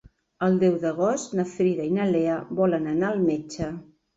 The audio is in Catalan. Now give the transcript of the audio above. El deu d'agost na Frida i na Lea volen anar al metge.